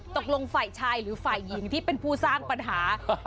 ฝ่ายชายหรือฝ่ายหญิงที่เป็นผู้สร้างปัญหา